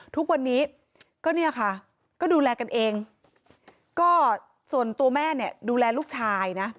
ทุกวันนี้ก็เนี่ยค่ะก็ดูแลกันเองก็ส่วนตัวแม่เนี่ยดูแลลูกชายนะ